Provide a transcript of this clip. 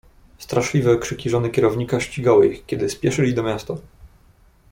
"Straszliwe krzyki żony kierownika ścigały ich, kiedy spieszyli do miasta."